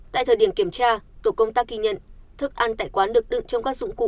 tại thời điểm kiểm tra tổ công tác ghi nhận thức ăn tại quán được đựng trong các dụng cụ